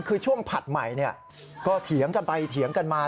คือช่วงผัดใหม่ก็เถียงกันไปเถียงกันมา